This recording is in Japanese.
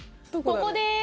ここです？